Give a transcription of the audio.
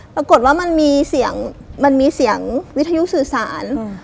ปรากฏว่ามันมีเสียงมันมีเสียงวิทยุสื่อสาร